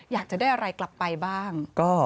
อยากจะได้อะไรกลับไปบ้าง